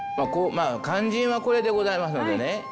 まあ肝心はこれでございますのでね。